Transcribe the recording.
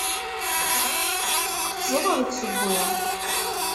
Tqefzeḍ deg usewwi.